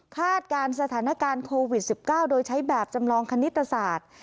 การสถานการณ์โควิด๑๙โดยใช้แบบจำลองคณิตศาสตร์